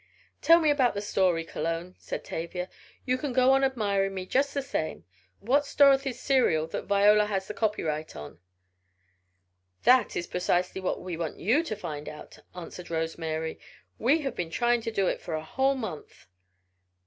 "Tell me about the story, Cologne," said Tavia. "You can go on admiring me just the same. What's Dorothy's serial that Viola has the copyright on?" "That is precisely what we want you to find out," answered Rose Mary. "We have been trying to do it for a whole month."